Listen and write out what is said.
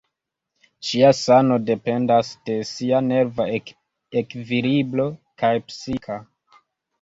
Ŝia sano dependas de sia nerva ekvilibro, kaj psika.